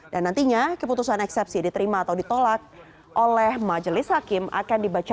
dan nantinya keputusan eksepsi diterima atau ditolak oleh majelis hakim akan dibantahkan